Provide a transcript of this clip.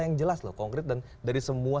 yang jelas loh konkret dan dari semua